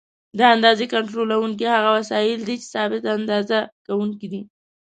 د اندازې کنټرولوونکي هغه وسایل دي چې ثابت اندازه کوونکي دي.